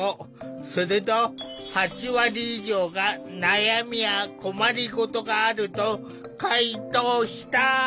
すると８割以上が悩みや困りごとがあると回答した。